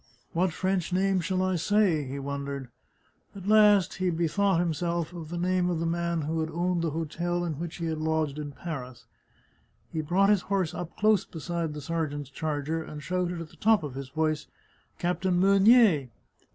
" What French name shall I say ?" he wondered. At last he bethought him of the name of the man who had owned the hotel in which he had lodged in Paris. He brought his horse up close beside the sergeant's charger, and shouted at the top of his voice :" Captain Meunier."